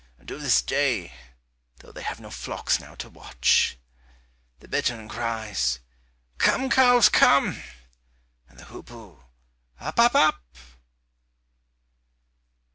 And to this day, though they have no flocks now to watch, the bittern cries, "Come, cows, come," and the hoopoe, "Up, up, up."